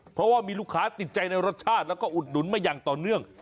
เพราะว่ามีลูกค้าติดใจในรสชาติแล้วก็อุดหนุนมาอย่างต่อเนื่อง